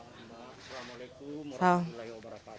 assalamualaikum wr wb